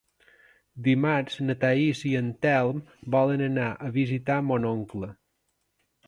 Dimarts na Thaís i en Telm volen anar a visitar mon oncle.